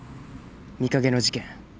美影の事件。